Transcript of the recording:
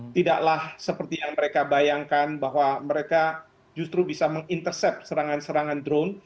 tidaklah seperti yang mereka bayangkan bahwa mereka justru bisa mengintercept serangan serangan drone